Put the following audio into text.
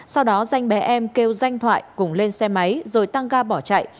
sau đó danh bé em kêu danh thoại cùng lên xe máy rồi tăng ga bỏ chạy